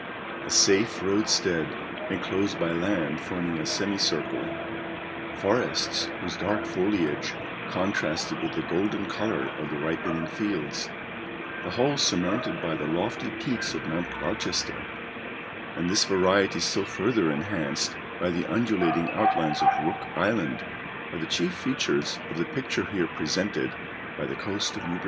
A safe roadstead enclosed by land forming a semicircle, forests whose dark foliage contrasted with the golden colour of the ripening fields, the whole surmounted by the lofty peaks of Mount Gloucester, and this variety still further enhanced by the undulating outlines of Rook Island, are the chief features of the picture here presented by the coast of New Britain.